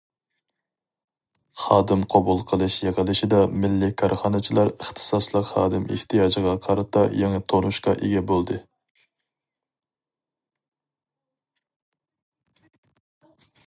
خادىم قوبۇل قىلىش يىغىلىشىدا مىللىي كارخانىچىلار ئىختىساسلىق خادىم ئېھتىياجىغا قارىتا يېڭى تونۇشقا ئىگە بولدى.